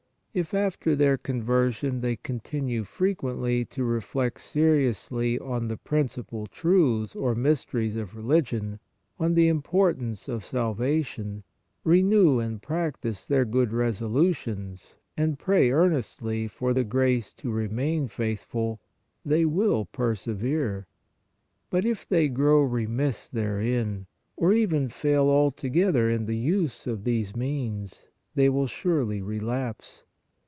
If, after their conver sion, they continue frequently to reflect seriously on the principal truths or mysteries of religion, on the importance of salvation, renew and practise their MENTAL PRAYER 161 good resolutions and pray earnestly for the grace to remain faithful, they will persevere; but if they grow remiss therein, or even fail altogether in the use of these means, they will surely relapse.